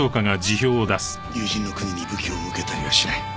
友人の国に武器を向けたりはしない。